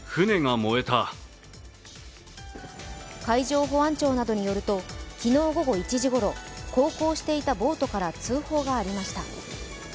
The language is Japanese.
海上保安庁などによると昨日午後１時ごろ航行していたボートから通報がありました。